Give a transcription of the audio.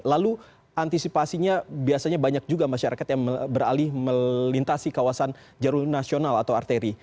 lalu antisipasinya biasanya banyak juga masyarakat yang beralih melintasi kawasan jalur nasional atau arteri